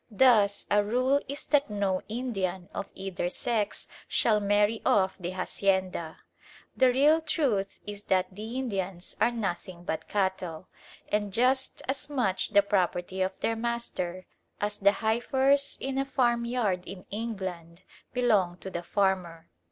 Thus a rule is that no Indian of either sex shall marry off the hacienda. The real truth is that the Indians are nothing but cattle, and just as much the property of their master as the heifers in a farmyard in England belong to the farmer.